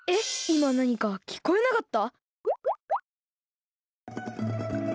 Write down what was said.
いまなにかきこえなかった？